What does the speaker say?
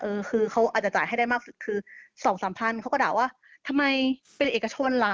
เออคือเขาอาจจะจ่ายให้ได้มากสุดคือ๒๓๐๐เขาก็ด่าว่าทำไมเป็นเอกชนล่ะ